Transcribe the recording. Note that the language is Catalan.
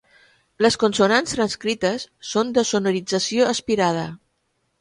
Les consonants transcrites són de sonorització aspirada.